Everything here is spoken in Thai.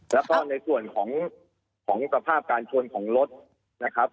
แล้วก็ในส่วนของสภาพการชนของรถนะครับ